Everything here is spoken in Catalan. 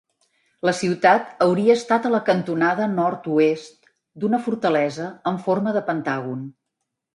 La ciutat hauria estat a la cantonada nord-oest d'una fortalesa en forma de pentàgon.